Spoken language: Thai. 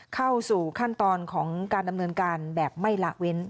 เข้าสู่ขั้นตอนของการดำเนินการแบบไม่ละเว้น